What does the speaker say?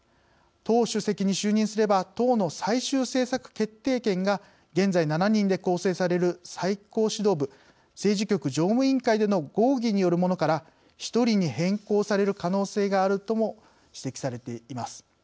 党主席に就任すれば党の最終政策決定権が現在７人で構成される最高指導部政治局常務委員会での合議によるものから１人に変更される可能性があるとも指摘されています。